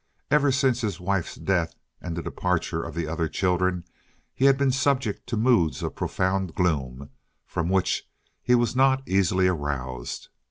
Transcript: Ever since his wife's death and the departure of the other children he had been subject to moods of profound gloom, from which he was not easily aroused.